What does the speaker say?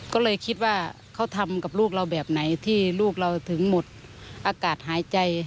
ก็เลยคิดว่าเขาทำกับลูกเราแบบไหนที่ลูกเราถึงหมดอากาศหายใจ